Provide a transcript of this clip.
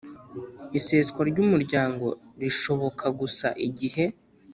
Iseswa ry Umuryango rishoboka gusa igihe